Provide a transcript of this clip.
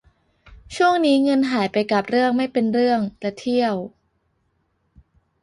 ช่วงนี้เงินหายไปกับเรื่องไม่เป็นเรื่องและเที่ยว